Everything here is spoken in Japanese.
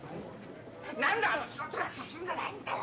何であの仕事が進んでないんだよ！